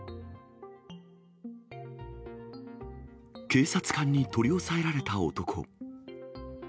警察官に取り押さえられた男。